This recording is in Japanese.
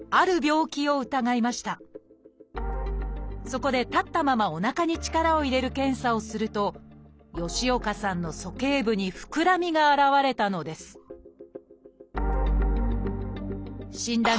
そこで立ったままおなかに力を入れる検査をすると吉岡さんの鼠径部にふくらみが現れたのです診断